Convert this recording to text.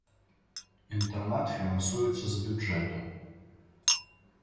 Інтэрнат фінансуецца з бюджэту.